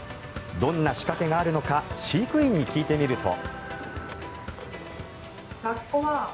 どんな仕掛けがあるのか飼育員に聞いてみると。